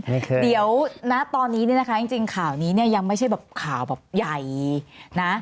เดี๋ยวนะตอนนี้เนี่ยนะคะจริงข่าวนี้เนี่ยยังไม่ใช่แบบข่าวแบบใหญ่นะ